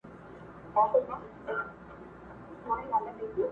او په الهامونو هم